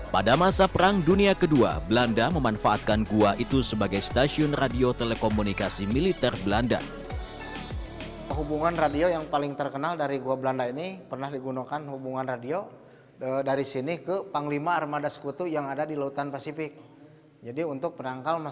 pada masa perang dunia ii belanda memanfaatkan gua itu sebagai stasiun radio telekomunikasi militer belanda